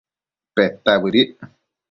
Peta bëdic